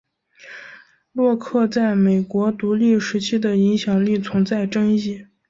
洛克在美国独立时期的影响力存在争议。